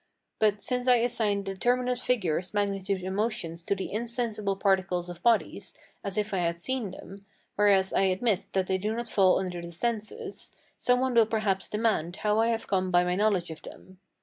But, since I assign determinate figures, magnitudes, and motions to the insensible particles of bodies, as if I had seen them, whereas I admit that they do not fall under the senses, some one will perhaps demand how I have come by my knowledge of them.